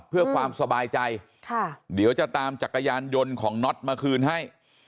เพื่อความสบายใจเดี๋ยวจะตามจักรยานยนต์ของน็อตมาคืนให้